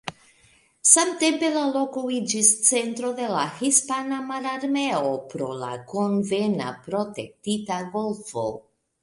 Samtempe la loko iĝis centro de la hispana mararmeo pro la konvena protektita golfo.